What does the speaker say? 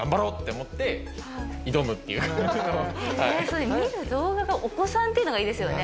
それ見る動画がお子さんっていうのがいいですよね。